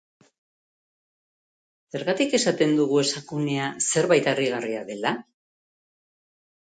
Zergatik esaten dugu esakunea zerbait harrigarria dela?